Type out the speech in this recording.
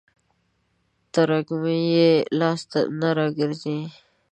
تر اورمېږ يې لاس نه راګرځي.